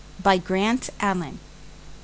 By Grant Allen. Vol.